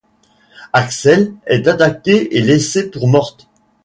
Axelle est attaquée et laissée pour morte.